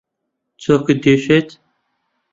چۆکت دێشێت؟